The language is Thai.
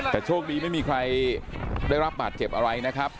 แต่โชคดีไม่มีใครได้รับบาดเจ็บอะไรนะครับ